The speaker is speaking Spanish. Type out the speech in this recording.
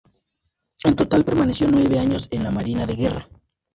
En total permaneció nueve años en la Marina de Guerra.